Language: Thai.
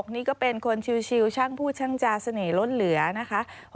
นี่ก็เป็นคนชิวช่างพูดช่างจาเสน่หล่นเหลือนะคะ